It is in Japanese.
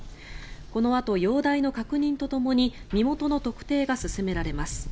このあと容体の確認とともに身元の特定が進められます。